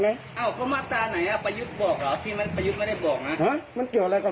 นี่เป็นบางช่วงบางตอนของคลิปนะครับ